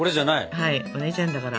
はいお姉ちゃんだから。